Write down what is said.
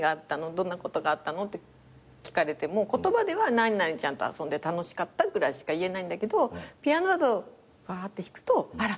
どんなことがあったの？って聞かれても言葉では何々ちゃんと遊んで楽しかったぐらいしか言えないんだけどピアノだとばって弾くとあら